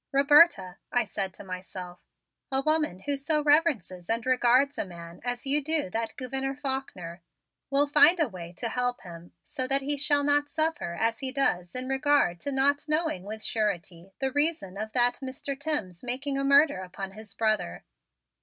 "Roberta," I said to myself, "a woman who so reverences and regards a man as you do that Gouverneur Faulkner will find a way to help him so that he shall not suffer as he does in regard to not knowing with surety the reason of that Mr. Timms' making a murder upon his brother.